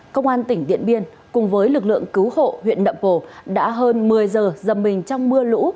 công an tỉnh điện biên cùng với lực lượng cứu hộ huyện đậm bồ đã hơn một mươi h dầm mình trong mưa lũ